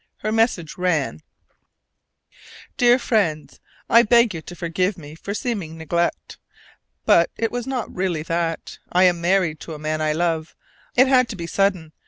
Her message ran: Dear Friends I beg you to forgive me for seeming neglect, but it was not really that. I am married to a man I love. It had to be sudden.